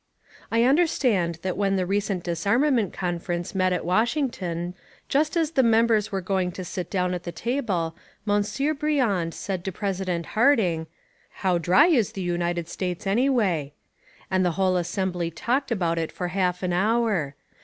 I understand that when the recent disarmament conference met at Washington just as the members were going to sit down at the table Monsieur Briand said to President Harding, "How dry is the United States, anyway?" And the whole assembly talked about it for half an hour.